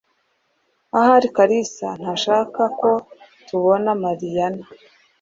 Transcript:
Ahari Kalisa ntashaka ko tubona Mariyana.